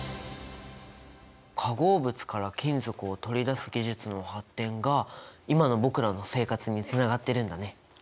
化合物から金属を取り出す技術の発展が今の僕らの生活につながってるんだね。